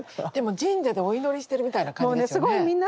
でも神社でお祈りしてるみたいな感じですよね。